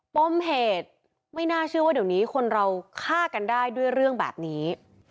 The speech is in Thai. ปมเหตุไม่น่าเชื่อว่าเดี๋ยวนี้คนเราฆ่ากันได้ด้วยเรื่องแบบนี้